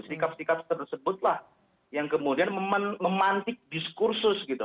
sikap sikap tersebutlah yang kemudian memantik diskursus gitu